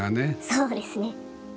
そうですね。